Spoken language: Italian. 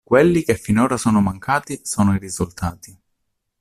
Quelli che finora sono mancati sono i risultati.